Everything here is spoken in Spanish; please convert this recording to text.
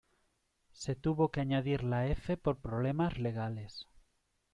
Se tuvo que añadir la "F" por problemas legales.